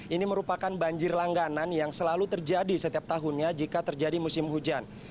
ini merupakan banjir langganan yang selalu terjadi setiap tahunnya jika terjadi musim hujan